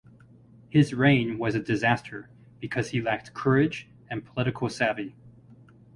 His reign was a disaster because he lacked courage and political savvy.